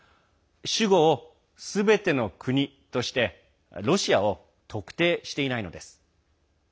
主語を、すべての国としてロシアを特定していないのです。